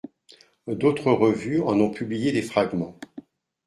D'autres revues en ont publié des fragments.